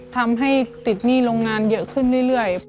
ทำให้ติดหนี้โรงงานเยอะขึ้นเรื่อย